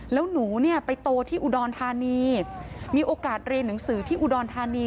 แล้วหนูเนี่ยไปโตที่อุดรธานีมีโอกาสเรียนหนังสือที่อุดรธานี